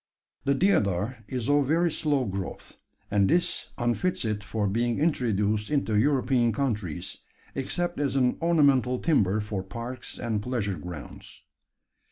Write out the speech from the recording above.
The deodar is of very slow growth; and this unfits it for being introduced into European countries except as an ornamental timber for parks and pleasure grounds.